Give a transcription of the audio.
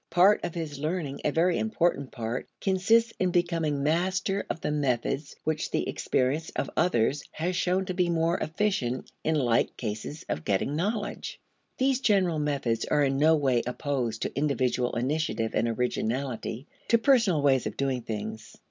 Part of his learning, a very important part, consists in becoming master of the methods which the experience of others has shown to be more efficient in like cases of getting knowledge. 1 These general methods are in no way opposed to individual initiative and originality to personal ways of doing things.